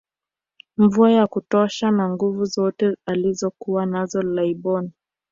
Mvua ya kutosha na Nguvu zozote alizokuwa nazo laibon